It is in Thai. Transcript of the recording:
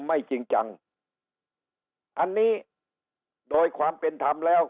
ไม่จริงจังอันนี้โดยความเป็นธรรมแล้ว